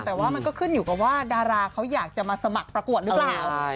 แต่ก็ขึ้นอยู่กับว่าดาราเขาอยากจะมาสมัครประกวดนึกร้าว